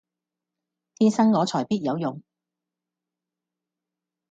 天生我才必有用